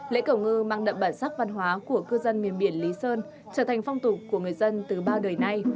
lễ cầu ngư mang đậm bản sắc văn hóa của cư dân miền biển lý sơn trở thành phong tục của người dân từ bao đời nay